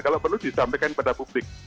kalau perlu disampaikan kepada publik